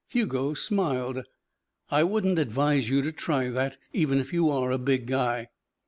Hugo smiled. "I wouldn't advise you to try that even if you are a big guy."